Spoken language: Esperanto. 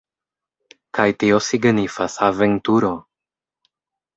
Kaj tio signifas aventuro!